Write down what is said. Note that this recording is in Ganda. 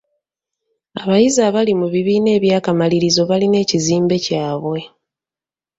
Abayizi abali mu bibiina eby'akamalirizo balina ekizimbe kyabwe.